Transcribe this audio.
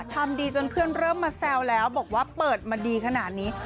ทำดีจนเพื่อนเริ่มมาแซวแล้วบอกว่าเปิดมาดีขนาดนี้